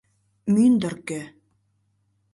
Мӱндыркӧ.